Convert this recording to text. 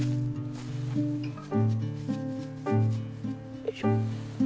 よいしょ。